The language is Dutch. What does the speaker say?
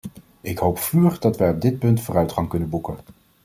Ik hoop vurig dat wij op dit punt vooruitgang kunnen boeken.